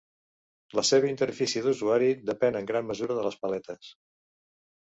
La seva interfície d'usuari depèn en gran mesura de les paletes.